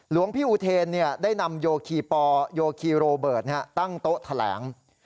หลวงพี่อุเทนได้นำโยคีปอโยคีโรเบิร์ตตั้งโต๊ะแถลง